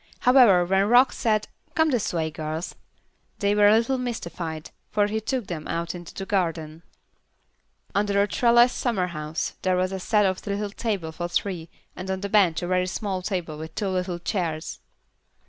However, when Rock said, "Come this way, girls," they were a little mystified, for he took them out into the garden. Under a trellised summerhouse there was set a little table for three, and on the bench a very small table with two little chairs.